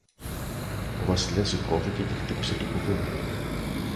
Ο Βασιλιάς σηκώθηκε και χτύπησε το κουδούνι.